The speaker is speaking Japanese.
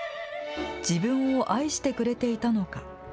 自分を愛してくれていたのか。